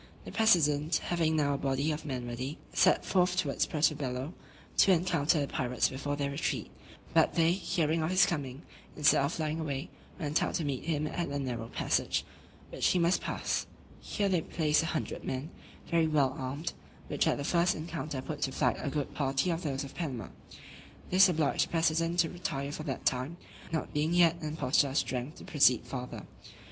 The president, having now a body of men ready, set forth towards Puerto Bello, to encounter the pirates before their retreat; but, they, hearing of his coming, instead of flying away, went out to meet him at a narrow passage, which he must pass: here they placed a hundred men, very well armed, which at the first encounter put to flight a good party of those of Panama. This obliged the president to retire for that time, not being yet in a posture of strength to proceed farther.